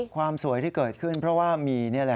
ความสวยที่เกิดขึ้นเพราะว่ามี